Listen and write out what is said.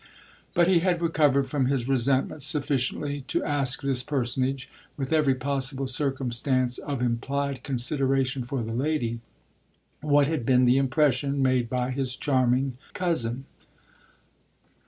But he had recovered from his resentment sufficiently to ask this personage, with every possible circumstance of implied consideration for the lady, what had been the impression made by his charming cousin.